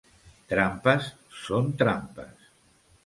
Trampes són trampes.